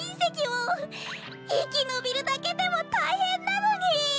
いきのびるだけでもたいへんなのに！